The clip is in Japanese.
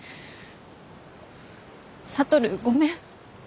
智ごめん。